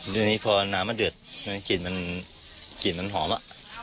เดี๋ยวนี้พอน้ำมันเดือดกลิ่นมันหอมอะ